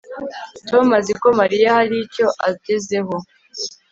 Tom azi ko Mariya hari icyo agezeho